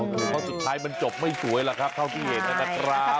เพราะสุดท้ายมันจบไม่สวยหรอกครับเท่าที่เห็นนะครับ